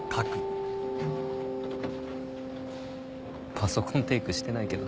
パソコンテイクしてないけど。